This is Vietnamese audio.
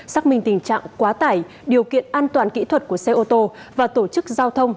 xác minh tình trạng quá tải điều kiện an toàn kỹ thuật của xe ô tô và tổ chức giao thông